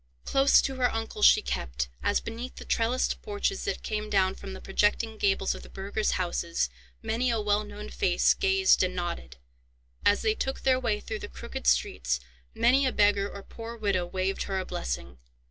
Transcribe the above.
Close to her uncle she kept, as beneath the trellised porches that came down from the projecting gables of the burghers' houses many a well known face gazed and nodded, as they took their way through the crooked streets, many a beggar or poor widow waved her a blessing.